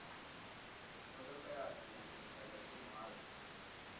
Imodoka yacu yamenetse hagati yumuhanda.